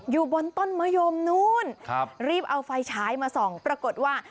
อยู่บนต้นมะยมนู้นครับรีบเอาไฟฉายมาส่องปรากฏว่า